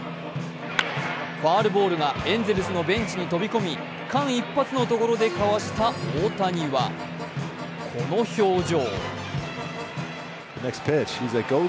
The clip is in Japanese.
ファウルボールがエンゼルスのベンチに飛び込み、間一髪のところでかわした大谷はこの表情。